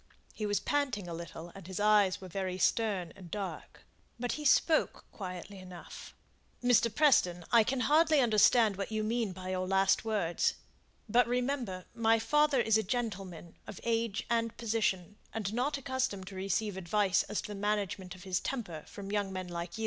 He was panting a little, and his eyes were very stern and dark; but he spoke quietly enough. "Mr. Preston, I can hardly understand what you mean by your last words. But, remember, my father is a gentleman of age and position, and not accustomed to receive advice as to the management of his temper from young men like you."